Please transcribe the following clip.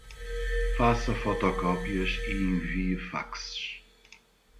Faça fotocópias e envie faxes.